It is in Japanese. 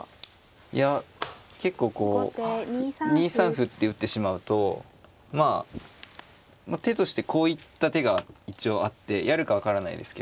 いや結構こう２三歩って打ってしまうとまあ手としてこういった手が一応あってやるか分からないですけど。